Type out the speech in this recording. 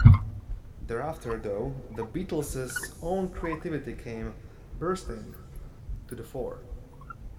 Thereafter, though, the Beatles' own creativity came bursting to the fore.